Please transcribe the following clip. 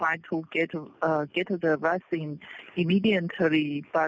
เราต้องขายเบสสูจน์มาก่อน